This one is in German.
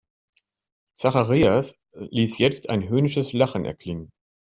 Zacharias ließ jetzt ein höhnisches Lachen erklingen.